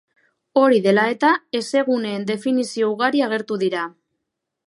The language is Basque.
Hori dela eta, hezeguneen definizio ugari agertu dira.